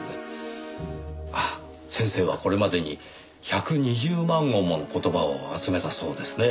先生はこれまでに１２０万語もの言葉を集めたそうですね。